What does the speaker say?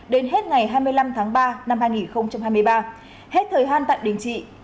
đến hết ngày hai mươi năm tháng ba năm hai nghìn hai mươi ba